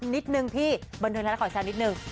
นิดนึงพี่เบิร์นเทอร์แล้วขอแสดงนิดนึง